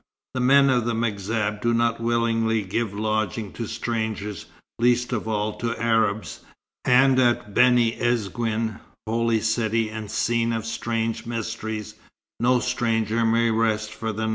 The men of the M'Zab do not willingly give lodging to strangers, least of all to Arabs; and at Beni Isguen, holy city and scene of strange mysteries, no stranger may rest for the night.